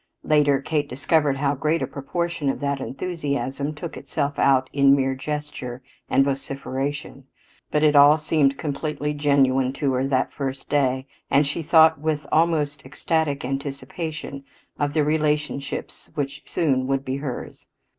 Later Kate discovered how great a proportion of that enthusiasm took itself out in mere gesture and vociferation; but it all seemed completely genuine to her that first day and she thought with almost ecstatic anticipation of the relationships which soon would be hers.